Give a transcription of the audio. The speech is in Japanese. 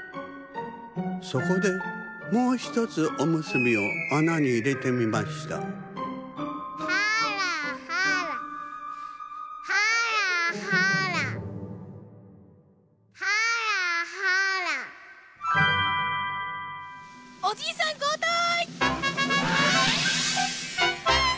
そこでもうひとつおむすびをあなにいれてみましたおじいさんこうたい！